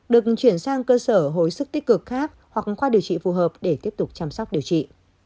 được chuyển sang cơ sở hồi sức tích cực khác hoặc khoa điều trị phù hợp để tiếp tục chăm sóc điều trị